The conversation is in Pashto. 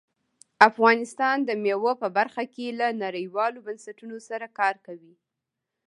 افغانستان د مېوو په برخه کې له نړیوالو بنسټونو سره کار کوي.